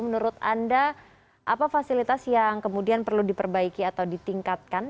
menurut anda apa fasilitas yang kemudian perlu diperbaiki atau ditingkatkan